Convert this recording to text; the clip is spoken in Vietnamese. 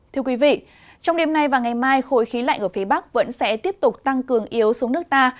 thưa quý vị trong đêm nay và ngày mai khối khí lạnh ở phía bắc vẫn sẽ tiếp tục tăng cường yếu xuống nước ta